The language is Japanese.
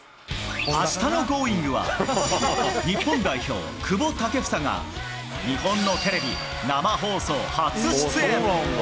あしたのＧｏｉｎｇ！は、日本代表、久保建英が、日本のテレビ生放送初出演。